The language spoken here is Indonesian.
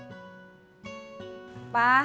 mau kan gw enggak nanti kagak